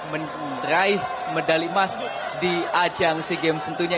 meneraih medali emas di ajang sejam tentunya